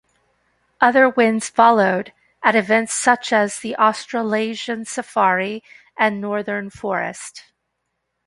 Other wins followed, at events such as the Australasian Safari and Northern Forest.